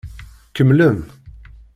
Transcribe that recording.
Kemmlen.